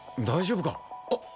大丈夫か？